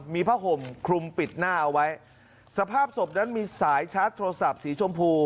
มีผ้าห่มคลุมปิดหน้าเอาไว้สภาพศพนั้นมีสายชาร์จโทรศัพท์สีชมพู